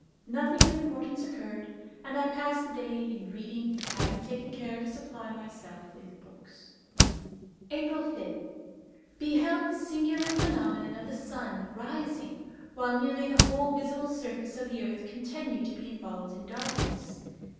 Nothing of importance occurred, and I passed the day in reading, having taken care to supply myself with books. "April 5th. Beheld the singular phenomenon of the sun rising while nearly the whole visible surface of the earth continued to be involved in darkness.